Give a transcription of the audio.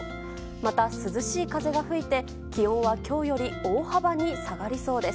また、涼しい風が吹いて気温は今日より大幅に下がりそうです。